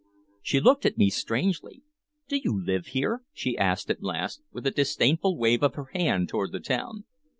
She looked at me strangely. "Do you live here?" she asked at last, with a disdainful wave of her hand toward the town.